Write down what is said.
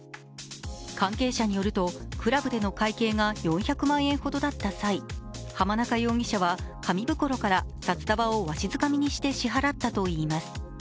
関係者によるとクラブでの会計が４００万円ほどだった際、浜中容疑者は紙袋から札束をわしづかみにして支払ったといいます。